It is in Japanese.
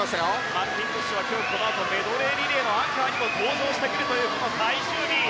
マッキントッシュは今日このあとメドレーリレーのアンカーにも登場してくるという最終日。